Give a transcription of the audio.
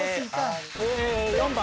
４番。